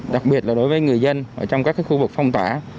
đặc biệt là đối với người dân ở trong các cái khu vực phong tỏa